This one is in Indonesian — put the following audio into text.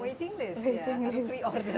waiting list ya harus pre order dulu